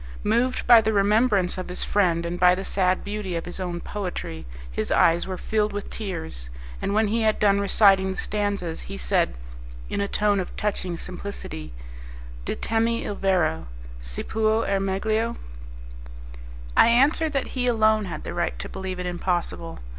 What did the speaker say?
Moved by the remembrance of his friend, and by the sad beauty of his own poetry, his eyes were filled with tears, and when he had done reciting the stanzas he said, in a tone of touching simplicity, 'Ditemi il vero, si puo air meglio'? I answered that he alone had the right to believe it impossible.